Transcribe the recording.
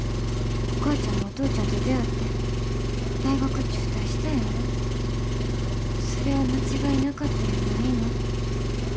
お母ちゃんもお父ちゃんと出会って大学中退したんやろそれは間違いなかったんやないのって。